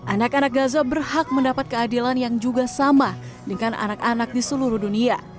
anak anak gaza berhak mendapat keadilan yang juga sama dengan anak anak di seluruh dunia